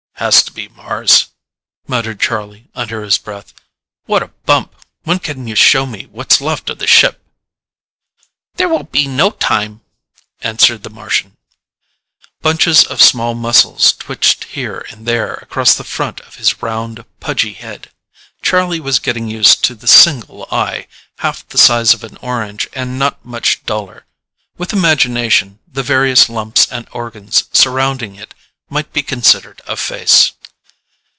'" "Has to be Mars," muttered Charlie under his breath. "What a bump! When can you show me what's left of the ship?" "There will be no time," answered the Martian. Bunches of small muscles twitched here and there across the front of his round, pudgy head. Charlie was getting used to the single eye, half the size of an orange and not much duller. With imagination, the various lumps and organs surrounding it might be considered a face.